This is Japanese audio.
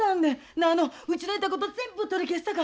なああのうちの言うたこと全部取り消すさか。